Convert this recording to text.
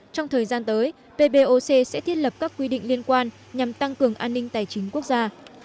trong thời gian tới pboc sẽ thiết lập các quy định liên quan nhằm tăng cường an ninh tài chính quốc gia